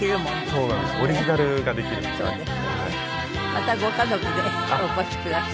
またご家族でお越しください。